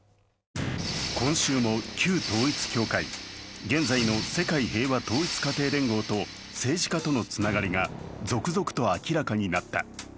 今週も旧統一教会、現在の世界平和統一家庭連合と政治家とのつながりが続々と明らかになった。